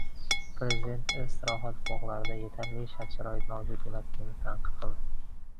Prezident istirohat bog'larida yetarli shart-sharoit mavjud emasligini tanqid qildi.